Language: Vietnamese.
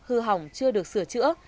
hư hỏng chưa được sửa chữa